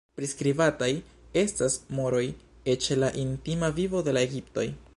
Priskribataj estas moroj, eĉ la intima vivo de la egiptoj.